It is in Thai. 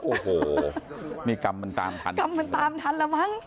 โอ้โหนี่กรรมมันตามทันแล้วมั้ง